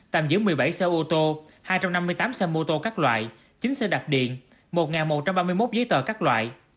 tạm giữ một mươi bảy xe ô tô hai trăm năm mươi tám xe mô tô các loại chín xe đạp điện một một trăm ba mươi một giấy tờ các loại